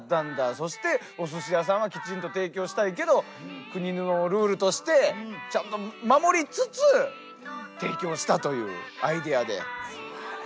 そしておすし屋さんはきちんと提供したいけど国のルールとしてちゃんと守りつつ提供したというアイデアで。